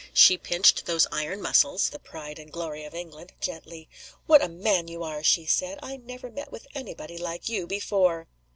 She pinched those iron muscles (the pride and glory of England) gently. "What a man you are!" she said. "I never met with any body like you before!"